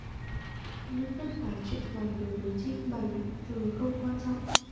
Nhưng tất cả chuyện này đối với trinh bày giờ không quan trọng